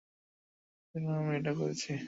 এজন্যই তো আমি এটা করেছি।